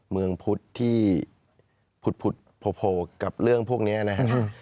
เมืองพุทธที่ผุดโผล่กับเรื่องพวกนี้นะครับ